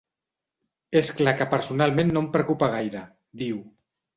És clar que personalment no em preocupa gaire, diu.